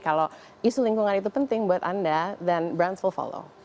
kalau isu lingkungan itu penting buat anda then brand will follow